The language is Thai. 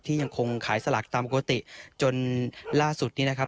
ยังคงขายสลากตามปกติจนล่าสุดนี้นะครับ